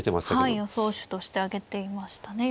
はい予想手として挙げていましたね